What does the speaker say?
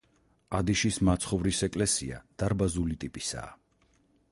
ადიშის მაცხოვრის ეკლესია დარბაზული ტიპისაა.